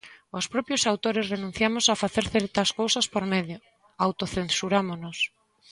Os propios autores renunciamos a facer certas cousas por medo, autocensurámonos.